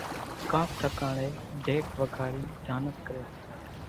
ڪانڪ ٺڪاڻين ڍيڪ وڳاڙينَ ڍانس ڪريَ سي۔